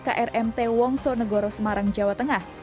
krmt wongso negoro semarang jawa tengah